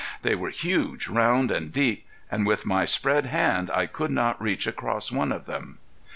They were huge, round, and deep, and with my spread hand I could not reach across one of them.